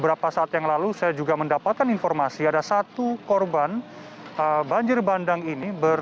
apa yang terjadi